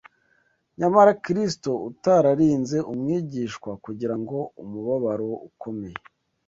Nyamara Kristo utararinze umwigishwa kugira umubabaro ukomeye